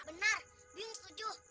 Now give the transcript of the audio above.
benar bium setuju